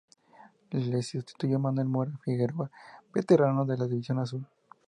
Le sustituyó Manuel Mora Figueroa, veterano de la División Azul.